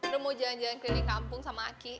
udah mau jalan jalan keliling kampung sama aki